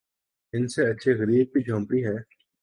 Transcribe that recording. ان سے اچھی غریبِ کی جھونپڑی ہے